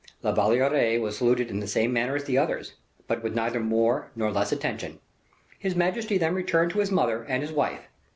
La Valliere was saluted in the same manner as the others, but with neither more nor less attention. His majesty then returned to his mother and his wife.